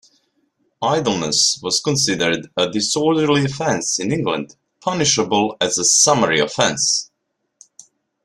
Idleness was considered a disorderly offence in England punishable as a summary offense.